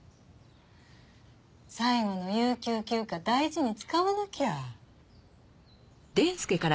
最後の有給休暇大事に使わなきゃ。